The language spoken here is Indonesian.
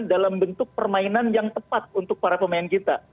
dalam bentuk permainan yang tepat untuk para pemain kita